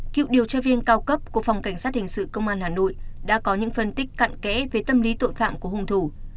cựu điều tra viên cao cấp của phòng cảnh sát hình sự công an hà nội đã có những phân tích cận kẽ về tâm lý tội phạm của hung thủ